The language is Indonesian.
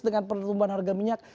dengan pertumbuhan harga minyak